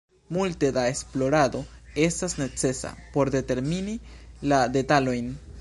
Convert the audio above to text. Multe da esplorado estas necesa por determini la detalojn.